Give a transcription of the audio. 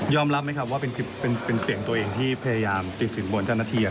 ยอมรับไหมครับว่าเป็นเสียงตัวเองที่พยายามติดสินบนเจ้าหน้าที่ครับ